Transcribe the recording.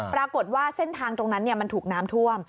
ปรากฏว่าเส้นทางตรงนั้นมันถูกน้ำท่วม